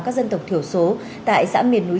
các dân tộc thiểu số tại xã miền núi